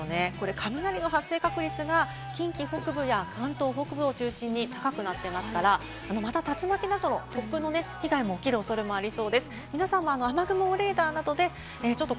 雷の発生確率が近畿北部や関東北部を中心に高くなっていますから、また竜巻などの突風の被害以外も起きる恐れもあります。